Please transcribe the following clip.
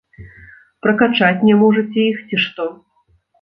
Пракачаць не можаце іх ці што?